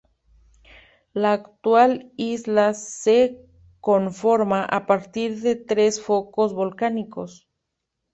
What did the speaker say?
La actual isla se conforma a partir de tres focos volcánicos.